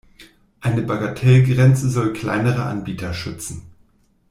Eine Bagatellgrenze soll kleinere Anbieter schützen.